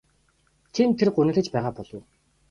Тэнд тэр гуниглаж байгаа болов уу?